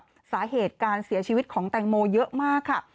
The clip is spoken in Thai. เกี่ยวกับสาเหตุการณ์เสียชีวิตของแตงโมเยอะมากค่ะ